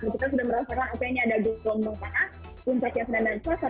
mereka sudah merasakan oke ini ada gelombang panas puncahnya sedang berangsur